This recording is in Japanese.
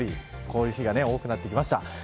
こういう日が多くなってきました。